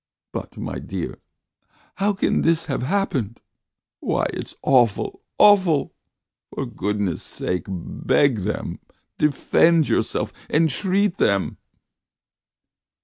... But, my dear, how can this have happened? Why, it's awful, awful! For goodness' sake, beg them, defend yourself, entreat them."